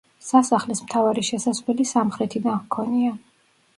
სასახლეს მთავარი შესასვლელი სამხრეთიდან ჰქონია.